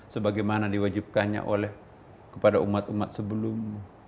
sebagaimana diwajibkannya oleh kepada umat umat sebelum